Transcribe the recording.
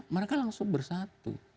mereka langsung bersatu